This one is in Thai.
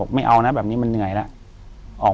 อยู่ที่แม่ศรีวิรัยิลครับ